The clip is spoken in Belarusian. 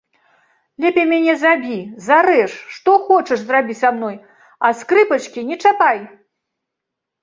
Лепей мяне забі, зарэж, што хочаш зрабі са мной, а скрыпачкі не чапай!